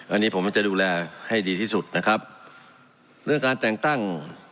อันนี้ผมจะดูแลให้ดีที่สุดนะครับเรื่องการแต่งตั้ง